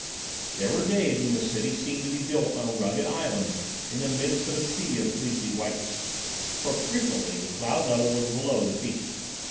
There were days when the city seemed to be built on a rugged island in the midst of a sea of fleecy whiteness, for frequently the cloud level was below the peak.